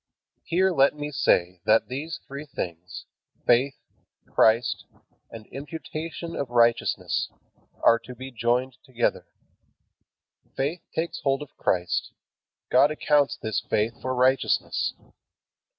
Here let me say, that these three things, faith, Christ, and imputation of righteousness, are to be joined together. Faith takes hold of Christ. God accounts this faith for righteousness.